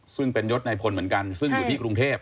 ซึ่งเป็นยศในพลเหมือนกันซึ่งอยู่ที่กรุงเทพ